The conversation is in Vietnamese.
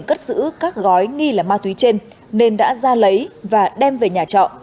tuấn đã tự nhiên cất giữ các gói nghi là ma túy trên nên đã ra lấy và đem về nhà trọ